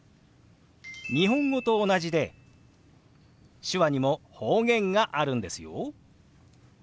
日本語と同じで手話にも方言があるんですよ。